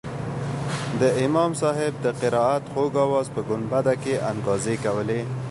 د امام صاحب د قرائت خوږ اواز په ګنبده کښې انګازې کولې.